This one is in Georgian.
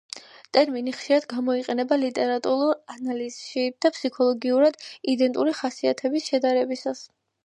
ტერმინი ხშირად გამოიყენება ლიტერატურულ ანალიზში და ფსიქოლოგიურად იდენტური ხასიათების შედარებისას.